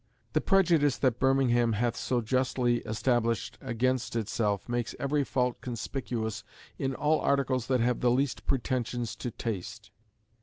"The prejudice that Birmingham hath so justly established against itself makes every fault conspicuous in all articles that have the least pretensions to taste."